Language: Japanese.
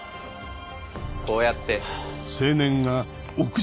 こうやって。